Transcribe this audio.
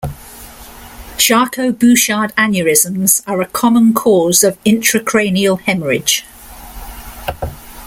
Charcot-Bouchard aneurysms are a common cause of intracranial hemorrhage.